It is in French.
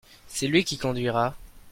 C'est lui qui conduira.